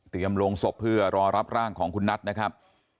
ลงศพเพื่อรอรับร่างของคุณนัทนะครับ